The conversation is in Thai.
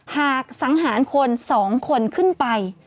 สังหารคน๒คนขึ้นไป